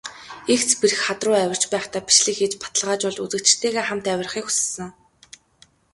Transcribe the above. Эгц бэрх хад руу авирч байхдаа бичлэг хийж, баталгаажуулж, үзэгчидтэйгээ хамт авирахыг хүссэн.